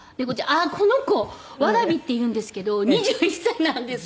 あっこの子わらびっていうんですけど２１歳なんですよ。